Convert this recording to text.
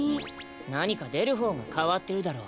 なにかでるほうがかわってるだろう。